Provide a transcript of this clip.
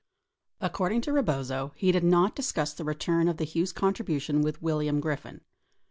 32 According to Rebozo, he did discuss the return of the Hughes con tribution with William Griffin.